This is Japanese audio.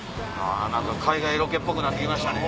何か海外ロケっぽくなって来ましたね。